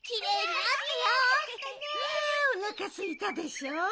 ああおなかすいたでしょう？